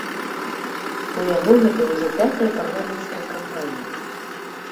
У яго гэта ўжо пятая парламенцкая кампанія!